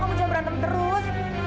kamu jam raten terus